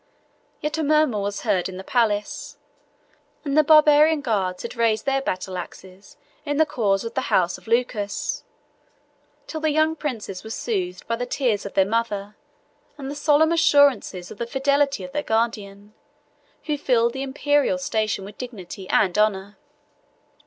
Yet a murmur was heard in the palace; and the Barbarian guards had raised their battle axes in the cause of the house of Lucas, till the young princes were soothed by the tears of their mother and the solemn assurances of the fidelity of their guardian, who filled the Imperial station with dignity and honor.